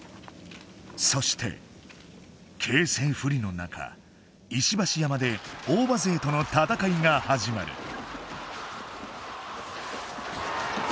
そして形勢不利の中石橋山で大庭勢との戦いが始まる。